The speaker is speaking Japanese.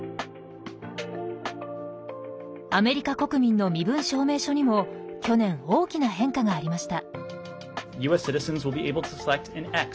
アメリカ国民の身分証明書にも去年大きな変化がありました。